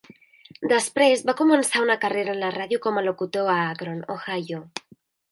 Després va començar una carrera en la ràdio com a locutor a Akron, Ohio.